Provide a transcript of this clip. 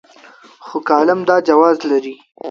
خو کالم دا جواز لري.